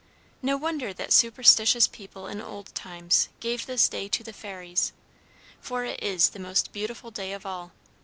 No wonder that superstitious people in old times gave this day to the fairies, for it is the most beautiful day of all.